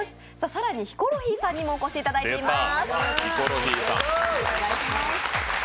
更にヒコロヒーさんにもお越しいただいています。